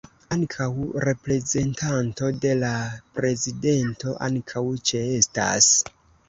Ankaŭ reprezentanto de la prezidento ankaŭ ĉeestas.